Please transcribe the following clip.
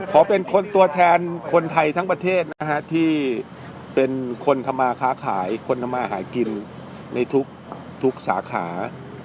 ขอเป็นคนตัวแทนคนไทยทั้งประเทศนะฮะที่เป็นคนทำมาค้าขายคนทำมาหากินในทุกสาขา